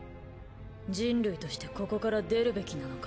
人類としてここから出るべきなのか。